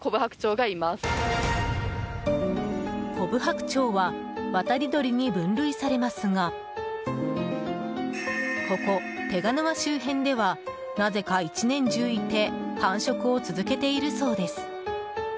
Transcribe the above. コブハクチョウは渡り鳥に分類されますがここ手賀沼周辺ではなぜか一年中いて繁殖を続けているそうです。